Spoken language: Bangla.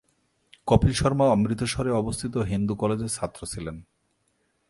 কপিল শর্মা অমৃতসরে অবস্থিত হিন্দু কলেজের ছাত্র ছিলেন।